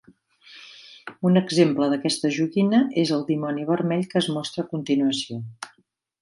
Un exemple d'aquesta joguina és el dimoni vermell que es mostra a continuació.